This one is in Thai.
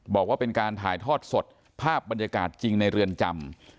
บอกว่าเป็นการถ่ายทอดสดภาพบรรยากาศจริงในเรือนจำ